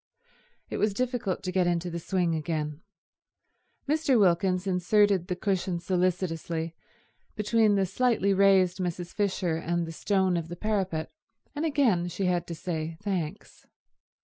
It was difficult to get into the swing again. Mr. Wilkins inserted the cushion solicitously between the slightly raised Mrs. Fisher and the stone of the parapet, and again she had to say "Thanks."